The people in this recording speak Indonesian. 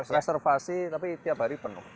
reservasi tapi tiap hari penuh